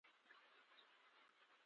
رومیان له خدایه شکر غواړي